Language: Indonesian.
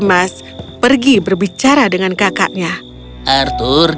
pada siang juga kebanyakan kemanusiaan dan sengaja